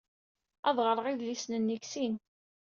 Ad ɣreɣ idlisen-nni deg sin.